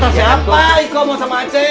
tata siapa iko mau sama aceh